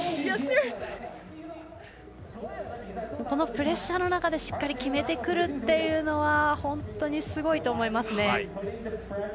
このプレッシャーの中でしっかり決めてくるっていうのは本当にすごいと思いますね。